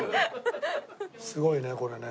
すごいねこれね。